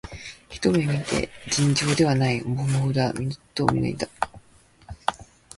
ひと目で、尋常でないもふもふだと見抜いたよ